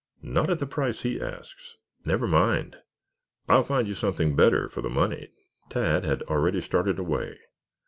"Not at the price he asks. Never mind, I'll find you something better for the money." Tad had already started away.